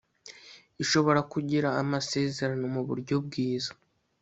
ishobora kugira amasezerano mu buryo bwiza